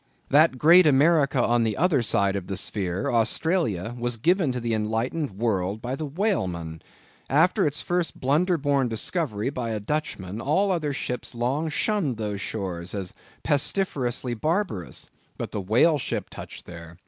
That great America on the other side of the sphere, Australia, was given to the enlightened world by the whaleman. After its first blunder born discovery by a Dutchman, all other ships long shunned those shores as pestiferously barbarous; but the whale ship touched there.